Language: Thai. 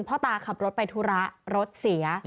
พ่อตาขับรถไปธุระรถเสีย